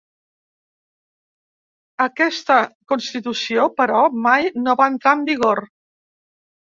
Aquesta constitució, però, mai no va entrar en vigor.